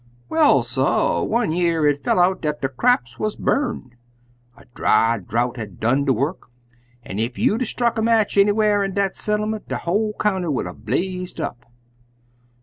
"Well, suh, one year it fell out dat de craps wuz burnt up. A dry drouth had done de work, an' ef you'd 'a' struck a match anywhar in dat settlement, de whole county would 'a' blazed up.